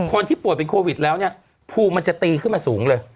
คนที่ป่วยเป็นโควิดแล้วเนี่ยภูมิมันจะตีขึ้นมาสูงเลย